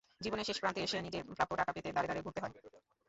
জীবনের শেষ প্রান্তে এসে নিজের প্রাপ্য টাকা পেতে দ্বারে দ্বারে ঘুরতে হয়।